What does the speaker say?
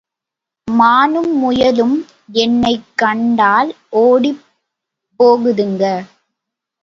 மானும் முயலும் என்னைக் கண்டால் ஒடிப் போகுதுங்க.